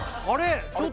あれ？